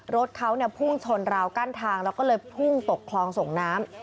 รถเขาพุ่งชนราวกั้นทางแล้วก็เลยพุ่งตกคลองส่งน้ำ